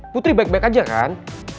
putri baik baik aja kan